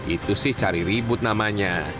itu sih cari ribut namanya